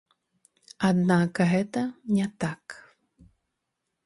Аднак гэта не так.